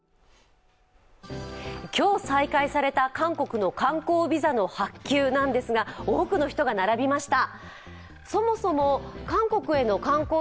今日再開された韓国の観光ビザの発給なんですが、多くの人が並びました。